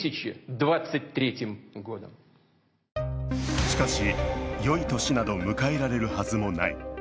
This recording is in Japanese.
しかし、よい年など迎えられるはずもない。